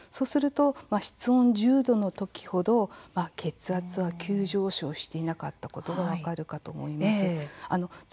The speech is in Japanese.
すると室温１０度のときほど血圧は急上昇していないことが分かるかと思います。